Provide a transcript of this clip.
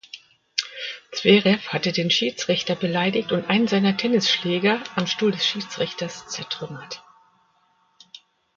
Zverev hatte den Schiedsrichter beleidigt und einen seiner Tennisschläger am Stuhl des Schiedsrichters zertrümmert.